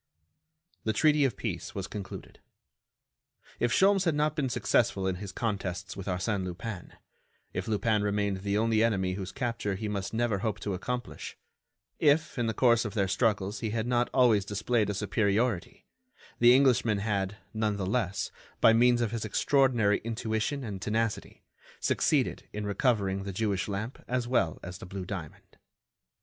The treaty of peace was concluded. If Sholmes had not been successful in his contests with Arsène Lupin; if Lupin remained the only enemy whose capture he must never hope to accomplish; if, in the course of their struggles, he had not always displayed a superiority, the Englishman had, none the less, by means of his extraordinary intuition and tenacity, succeeded in recovering the Jewish lamp as well as the blue diamond.